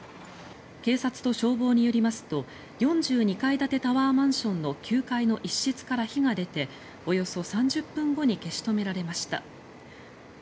警察と消防によりますと４２階建てタワーマンションの９階の一室から火が出て、およそ３０分後に消し止められました。